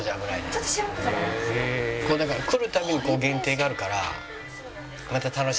だから来る度に限定があるからまた楽しいんですよ。